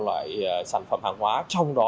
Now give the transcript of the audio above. loại sản phẩm hàng hóa trong đó